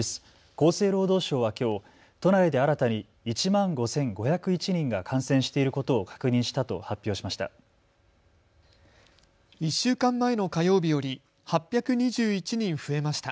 厚生労働省はきょう都内で新たに１万５５０１人が感染していることを確認したと発表しました。